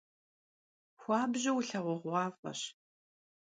Xuabju vulheğuğuaf'eş.